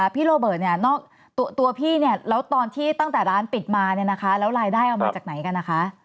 พี่โรเปอร์ตัวพี่ตอนที่ตั้งแต่ร้านปิดมาแล้วรายได้เอามาจากไหนกัน